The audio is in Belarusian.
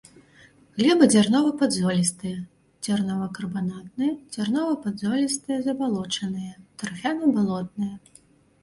Глебы дзярнова-падзолістыя, дзярнова-карбанатныя, дзярнова-падзолістыя забалочаныя, тарфяна-балотныя.